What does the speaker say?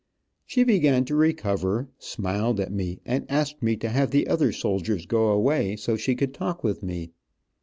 She began to recover, smiled at me and asked me to have the other soldiers go away, so she could talk with me.